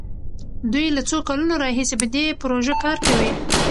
دوی له څو کلونو راهيسې په دې پروژه کار کوي.